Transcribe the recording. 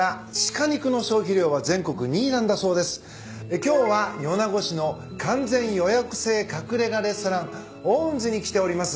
今日は米子市の完全予約制隠れ家レストランＯＮＺＥに来ております。